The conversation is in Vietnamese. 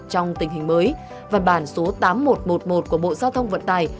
trong tình hình mới và bản số tám nghìn một trăm một mươi một của bộ giao thông vận tài